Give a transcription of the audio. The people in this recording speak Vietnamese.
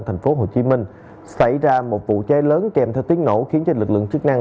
thành phố hồ chí minh xảy ra một vụ cháy lớn kèm theo tiếng nổ khiến cho lực lượng chức năng